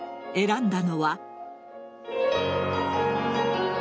選んだのは。